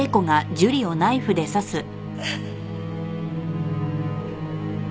あっ。